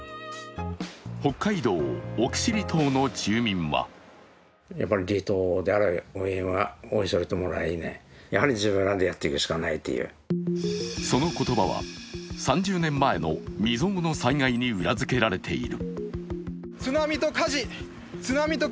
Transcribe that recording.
北海道奥尻島の住民はその言葉は３０年前の未曽有の災害に裏付けられている。